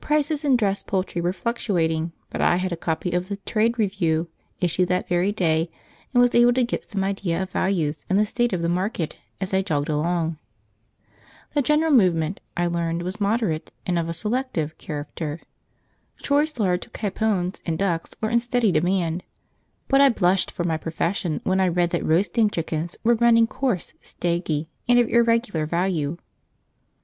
Prices in dressed poultry were fluctuating, but I had a copy of The Trade Review, issued that very day, and was able to get some idea of values and the state of the market as I jogged along. The general movement, I learned, was moderate and of a "selective" character. Choice large capons and ducks were in steady demand, but I blushed for my profession when I read that roasting chickens were running coarse, staggy, and of irregular value.